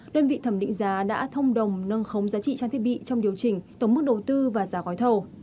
đơn vị thẩm định giá đã thông đồng nâng khống giá trị trang thiết bị trong điều chỉnh tổng mức đầu tư và giá gói thầu